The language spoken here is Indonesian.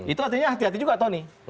itu artinya hati hati juga tony